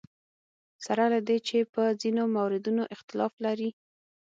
سره له دې چې په ځینو موردونو اختلاف لري.